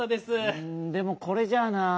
んでもこれじゃあなぁ。